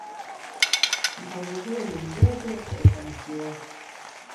Mpango huo ni mdogo kwa ufanisi wake.